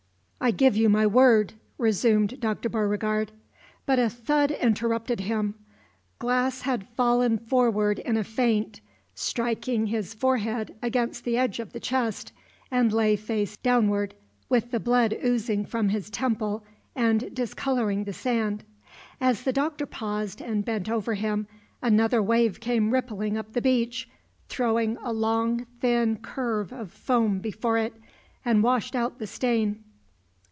"I give you my word " resumed Dr. Beauregard; but a thud interrupted him. Glass had fallen forward in a faint, striking his forehead against the edge of the chest, and lay face downward with the blood oozing from his temple and discolouring the sand. As the Doctor paused and bent over him, another wave came rippling up the beach, throwing a long, thin curve of foam before it, and washed out the stain.